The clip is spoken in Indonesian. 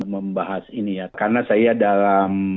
membahas ini ya karena saya dalam